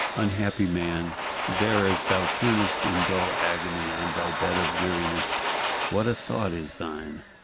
Unhappy man, there as thou turnest, in dull agony, on thy bed of weariness, what a thought is thine!